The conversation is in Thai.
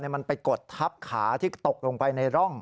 มันไปกดทับขาที่ตกลงไปในร่อง